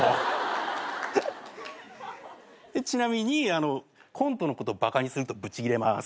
ちなみにコントのことバカにするとブチギレます。